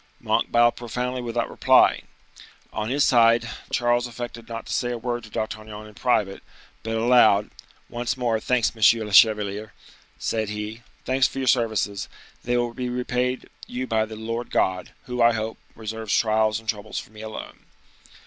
Monk bowed profoundly without replying. On his side, Charles affected not to say a word to D'Artagnan in private, but aloud,—"Once more, thanks, monsieur le chevalier," said he, "thanks for your services. They will be repaid you by the Lord God, who, I hope, reserves trials and troubles for me alone."